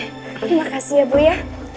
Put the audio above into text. terima kasih ya bu ya